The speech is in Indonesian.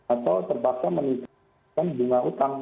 atau terpaksa meningkatkan bunga utang